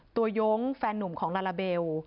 ยงแฟนนุ่มของลาลาเบล